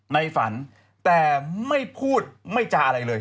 ในฝันแต่ไม่พูดไม่จาอะไรเลย